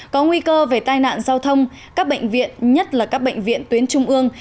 có nguy cơ về tai nạn giao thông các bệnh viện nhất là các bệnh viện tuyến trung ương